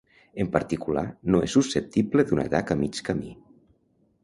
En particular, no és susceptible d'un atac a mig camí.